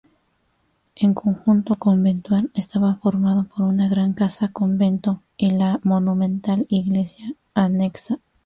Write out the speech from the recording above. En conjunto conventual estaba formado por una gran casa-convento y la monumental iglesia anexa.